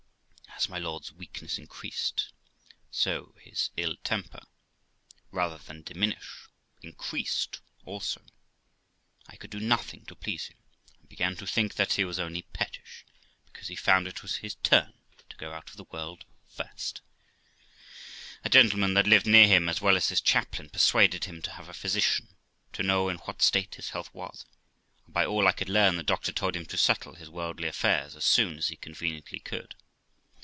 As my lord's weakness increased, so his ill temper, rather than diminish, increased also. 1 could do nothing to please him, and began to think that he was only pettish because he found it was his turn to go out of the world first. A gentleman that lived near him, as well as his chaplain, persuaded him to have a physician, to know in what state his health was; and by all I could learn, the doctor told him to settle his worldly affairs as soon as he conveniently could.